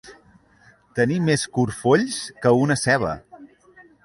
Tenir més corfolls que una ceba.